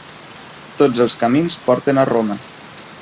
Tots els camins porten a Roma.